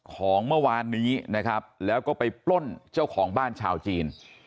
ของเมื่อวานนี้นะครับแล้วก็ไปปล้นเจ้าของบ้านชาวจีน